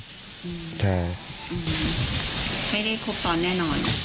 ไม่ได้ครบซ้อนแน่นอน